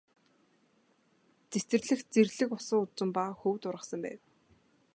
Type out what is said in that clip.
Цэцэрлэгт зэрлэг усан үзэм ба хөвд ургасан байв.